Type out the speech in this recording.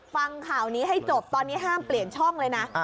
ฟังข่าวนี้ให้จบตอนนี้ห้ามเปลี่ยนช่องเลยนะ